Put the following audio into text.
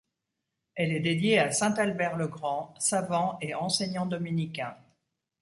Elle est dédiée à saint Albert le Grand, savant et enseignant dominicain.